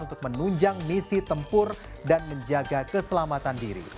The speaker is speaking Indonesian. untuk menunjang misi tempur dan menjaga keselamatan diri